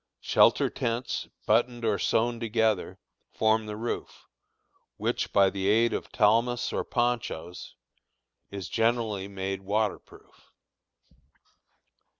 Shelter tents, buttoned or sewed together, form the roof, which, by the aid of talmas or ponchoes, is generally made water proof.